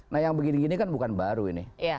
nah yang begini gini kan bukan baru ini